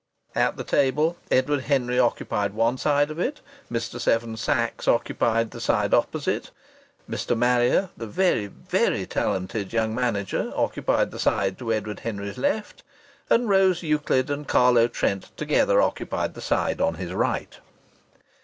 At the table, Edward Henry occupied one side of it, Mr. Seven Sachs occupied the side opposite, Mr. Marrier, the very, very talented young manager, occupied the side to Edward Henry's left, and Rose Euclid and Carlo Trent together occupied the side to his right.